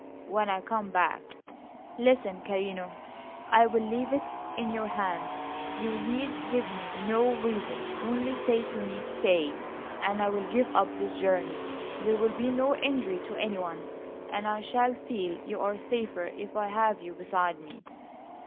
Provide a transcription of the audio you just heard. "When I come back Listen, carino; I will leave it in your hands. You need give me no reason; only say to me, 'Stay,' and I will give up this journey. There will be no injury to anyone, and I shall feel you are safer if I have you beside me."